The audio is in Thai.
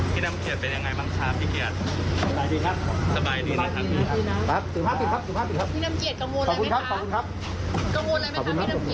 พี่นำเกลี่ยเป็นยังไงบ้างคะพี่เกลี่ยสบายดีนะครับสิบห้าติดครับ